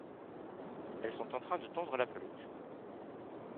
Elles sont en train de tondre la pelouse.